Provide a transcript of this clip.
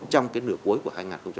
trong nửa cuối của hai nghìn hai mươi